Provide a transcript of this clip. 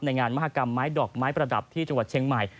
งานมหากรรมไม้ดอกไม้ประดับที่จังหวัดเชียงใหม่